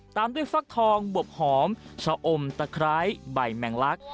ตามด้วยฟักทองบวบหอมชะอมตะไคร้ใบแมงลักษ